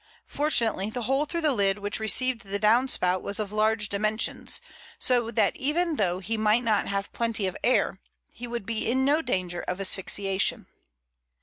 Fortunately, the hole through the lid which received the down spout was of large dimensions, so that even though he might not have plenty of air, he would be in no danger of asphyxiation.